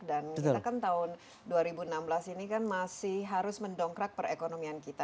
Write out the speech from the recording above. dan kita kan tahun dua ribu enam belas ini kan masih harus mendongkrak perekonomian kita